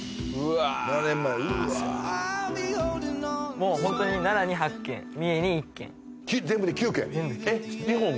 もうホントに奈良に８軒三重に１軒全部で９軒えっ日本で？